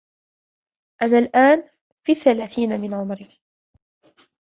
أنا الآن في الثلاثين من عمري.